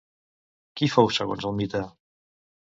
Qui fou, segons el mite?